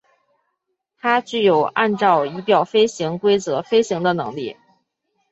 它具有按照仪表飞行规则飞行的能力。